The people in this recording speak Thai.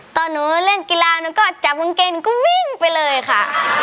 ตอนหนูเล่นกีฬาหนูก็จับกางเกงหนูก็วิ่งไปเลยค่ะ